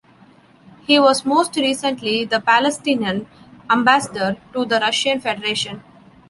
He was most recently the Palestinian ambassador to the Russian Federation.